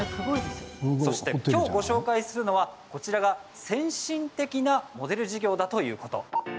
そして、きょうご紹介するのは、こちらが先進的なモデル事業だということ。